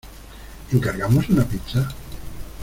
¿Encargamos una pizza?